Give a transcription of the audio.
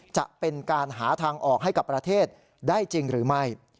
จะเป็นการหาทางออกให้กับประเทศได้จริงหรือไม่